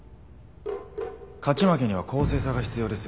勝ち負けには「公正さ」が必要です。